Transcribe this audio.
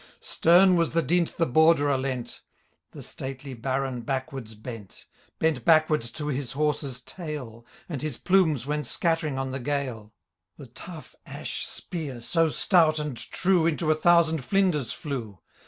Stem was the dint the Borderer lent I The stately Baron backwards bent ; Bent backwards to his horse^s tail. And his plumes went scattering on the gale ; The tough ash spear, so stout and true. Into a thousand flinders flew.